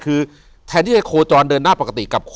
อยู่ที่แม่ศรีวิรัยิลครับ